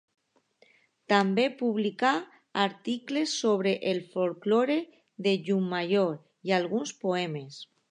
També publicà articles sobre el folklore de Llucmajor i alguns poemes.